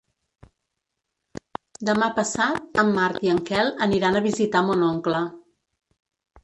Demà passat en Marc i en Quel aniran a visitar mon oncle.